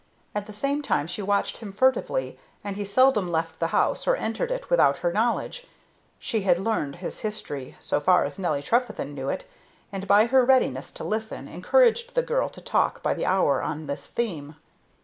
At the same time she watched him furtively, and he seldom left the house or entered it without her knowledge. She had learned his history, so far as Nelly Trefethen knew it, and, by her readiness to listen, encouraged the girl to talk by the hour on this theme.